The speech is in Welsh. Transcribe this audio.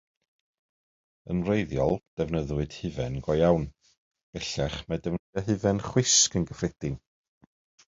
Yn wreiddiol defnyddiwyd hufen go iawn; bellach mae defnyddio hufen chwisg yn gyffredin.